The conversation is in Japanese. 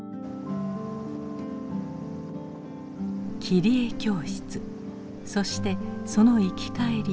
切り絵教室そしてその行き帰り。